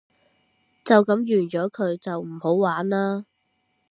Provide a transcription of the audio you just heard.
就噉完咗佢，就唔好玩喇